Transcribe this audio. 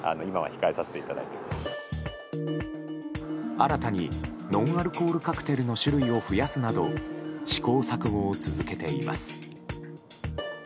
新たにノンアルコールカクテルの種類を増やすなど試行錯誤を続けています。